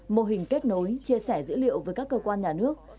mô hình kết nối chia sẻ dữ liệu với các cơ quan nhà nước